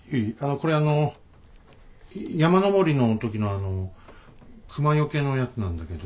これあの山登りの時のあの熊よけのやつなんだけど。